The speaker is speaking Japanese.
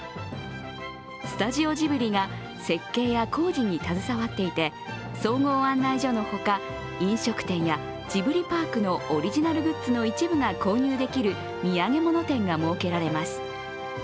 スタジオジブリが設計や工事に携わっていて総合案内所のほか、飲食店やジブリパークのオリジナルグッズの一部が購入できる土産物店が設けられます。